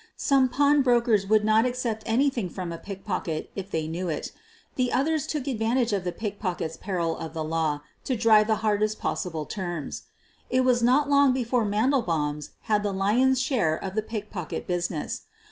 Some pawn brokers would not accept anything from a pickpocket if they knew it. The others took advantage of the pickpocket's peril of the law to drive the hardest possible terms. It was not long before Mandelbaum 's had the lion's share of the pickpocket business.